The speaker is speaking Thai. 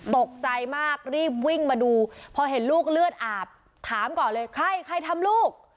ตกใจมากรีบวิ่งมาดูพอเห็นลูกเลือดอาบถามก่อนเลยใครใครทำลูก